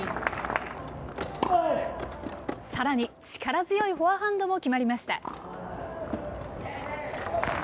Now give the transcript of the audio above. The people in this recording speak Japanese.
さらに力強いフォアハンドも決まりました。